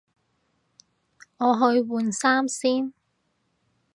我去換衫先